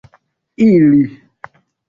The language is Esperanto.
ili